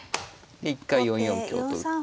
で一回４四香と打って。